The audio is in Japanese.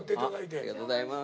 ありがとうございます。